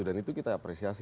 dan itu kita apresiasi